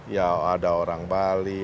ya ada orang bali